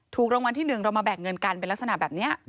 ถูกรางวัลที่๑เรามาแบ่งเงินกันเป็นลักษณะแบบนี้